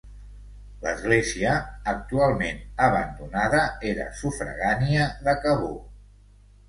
L'església, actualment abandonada, era sufragània de Cabó.